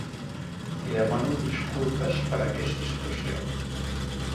Li demano disculpes per aquesta situació.